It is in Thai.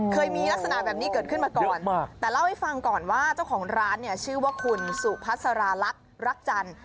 เคยมีลักษณะแบบนี้เกิดขึ้นมาก่อนแต่เล่าให้ฟังก่อนว่าเจ้าของร้านเนี่ยชื่อว่าคุณสุพัสราลักษณ์รักจันทร์